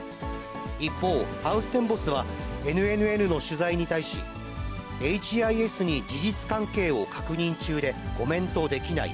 一方、ハウステンボスはＮＮＮの取材に対し、エイチ・アイ・エスに事実関係を確認中で、コメントできない。